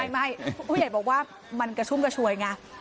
ผู้ใหญ่บอกว่ามันกระชุ่มกระชวยไง